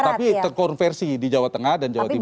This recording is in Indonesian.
tapi terkonversi di jawa tengah dan jawa timur